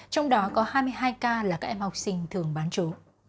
trong đó có hai mươi hai ca là các em học sinh thường bán chú